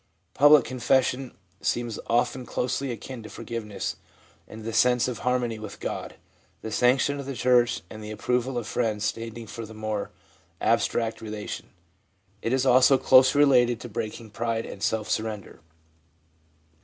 Public confession seems often closely akin to forgiveness and the sense of harmony with God, the sanction of the church and the approval of friends standing for the more abstract relation. It is also closely related to breaking pride and self surrender.